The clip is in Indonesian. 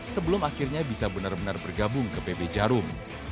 sebelum akhirnya bisa benar benar bergabung ke pb jarum